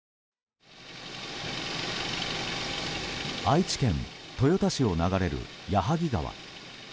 愛知県豊田市を流れる矢作川。